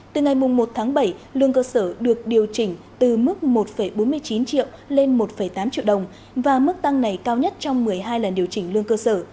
từ ngày một tháng bảy lương cơ sở được điều chỉnh từ mức một bốn mươi chín triệu lên một tám triệu đồng và mức tăng này cao nhất trong một mươi hai lần điều chỉnh lương cơ sở